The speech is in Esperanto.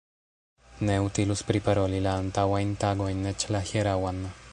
Ne utilus priparoli la antaŭajn tagojn, eĉ la hieraŭan.